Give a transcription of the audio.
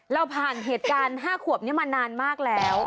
เราผ่านเหตุการณ์๕ขวบนี้มานานมากแล้ว